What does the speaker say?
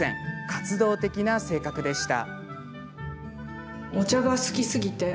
活動的な性格でした。